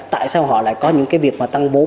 tại sao họ lại có những việc tăng vốn